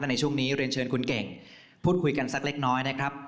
ในช่วงนี้เรียนเชิญคุณเก่งพูดคุยกันสักเล็กน้อยนะครับ